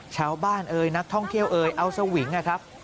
เอ่ยนักท่องเที่ยวเอ่ยเอาสวิงนะครับ